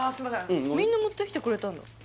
みんな持ってきてくれたんだ